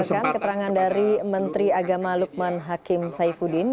berdasarkan keterangan dari menteri agama lukman hakim saifuddin